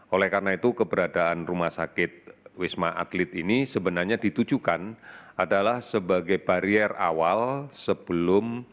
oleh karena itu keberadaan rumah sakit wisma atlet ini sebenarnya ditujukan adalah sebagai barier awal sebelum